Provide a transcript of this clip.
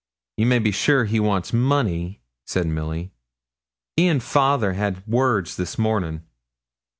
'You may be sure he wants money,' said Milly. 'He and father had words this morning.'